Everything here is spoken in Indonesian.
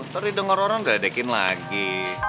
ntar didengar orang gadekin lagi